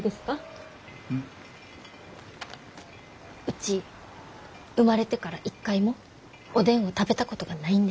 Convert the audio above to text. うち生まれてから一回もおでんを食べたことがないんです。